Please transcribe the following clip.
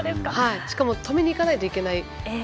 しかも止めにいかないといけない。